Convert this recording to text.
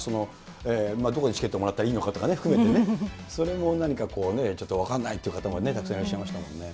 どこでチケットをもらったらいいのかなということも含めてね、それも何かこうね、ちょっと分からない方もたくさんいらっしゃいましたもんね。